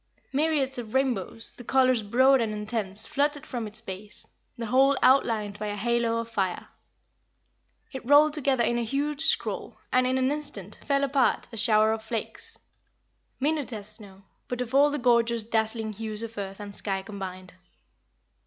Myriads of rainbows, the colors broad and intense, fluttered from its base, the whole outlined by a halo of fire. It rolled together in a huge scroll, and, in an instant, fell apart a shower of flakes, minute as snow, but of all the gorgeous, dazzling hues of earth and sky combined.